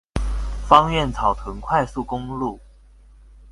芳苑草屯快速公路